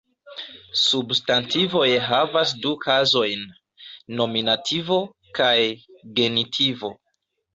Substantivoj havas du kazojn: nominativo kaj genitivo.